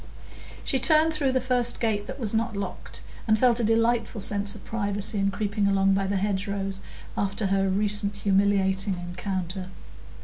She turned through the first gate that was not locked, and felt a delightful sense of privacy in creeping along by the hedgerows, after her recent humiliating encounter.